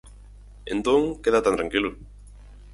Entón, queda tan tranquilo.